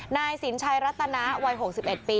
นายสินชัยรัตนาวัย๖๑ปี